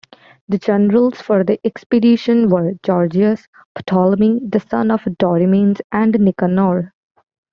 The generals for the expedition were Gorgias, Ptolemy the son of Dorymenes, and Nicanor.